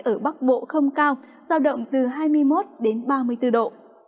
ở bắc bộ không cao giao động từ hai mươi một đến ba mươi bốn độ